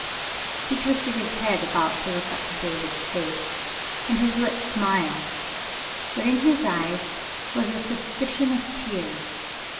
'" He twisted his head about to look up in David's face, and his lips smiled, but in his eyes was a suspicion of tears.